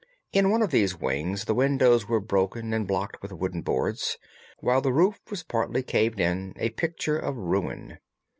In one of these wings the windows were broken and blocked with wooden boards, while the roof was partly caved in, a picture of ruin.